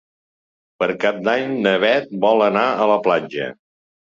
Per Cap d'Any na Bet vol anar a la platja.